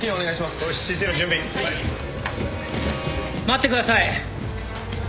待ってください！